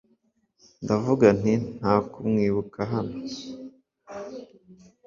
ndavuga nti nta kumwibuka hano